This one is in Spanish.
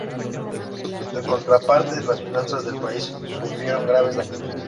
En contraparte, las finanzas del país sufrieron graves daños.